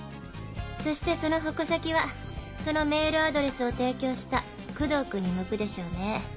そしてその矛先はそのメールアドレスを提供した工藤君に向くでしょうね。